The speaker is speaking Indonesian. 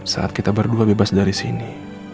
saat kita berdua bebas dari sini